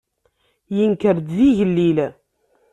Yenker-d d igellil.